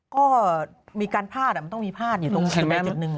ก็มีการพลาดมันต้องมีพลาดอย่าตกขึ้นมาจดหนึ่ง